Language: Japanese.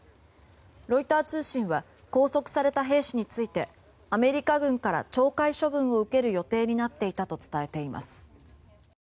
ロイター通信は拘束された兵士についてアメリカ軍から懲戒処分を受ける予定になっていたと伝えています。